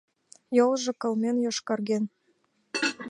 Йолжо кылмен, йошкарген.